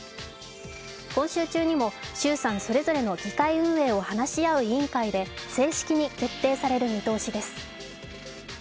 今週中にも衆参それぞれの議会運営を話し合う委員会で正式に決定される見通しです。